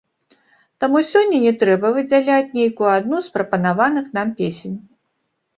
Таму сёння не трэба выдзяляць нейкую адну з прапанаваных нам песень.